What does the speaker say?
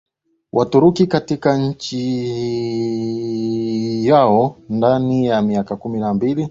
Waturuki katika nchi yao ndani ya miaka kumi na mbili